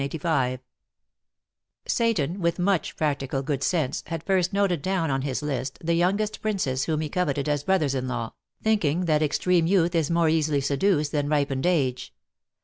Seyton, with much practical good sense, had first noted down on his list the youngest princes whom he coveted as brothers in law, thinking that extreme youth is more easily seduced than ripened age.